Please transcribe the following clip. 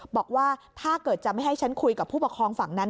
บอกว่าถ้าเกิดจะไม่ให้ฉันคุยกับผู้ปกครองฝั่งนั้น